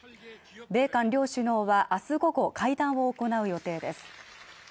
米韓両首脳は明日午後会談を行う予定です。